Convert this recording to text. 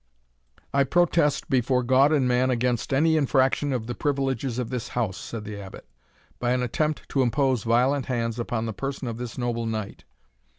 "I protest before God and man against any infraction of the privileges of this house," said the Abbot, "by an attempt to impose violent hands upon the person of this noble knight.